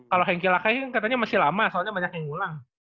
kalo henki lakai katanya masih lama soalnya banyak yang ulang